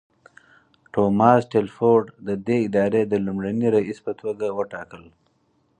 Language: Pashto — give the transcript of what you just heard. توماس ټیلفورډ ددې ادارې د لومړني رییس په توګه وټاکل.